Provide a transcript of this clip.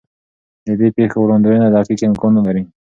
د دې پېښو وړاندوینه دقیق امکان نه لري.